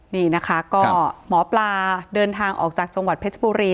นี่นะคะก็หมอปลาเดินทางออกจากจังหวัดเพชรบุรี